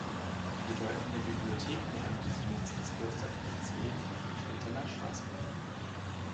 Die bedeutende Bibliothek gelangte zunächst ins Kloster Frenswegen, später nach Straßburg.